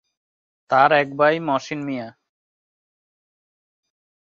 তার এক ভাই মহসিন মিয়া।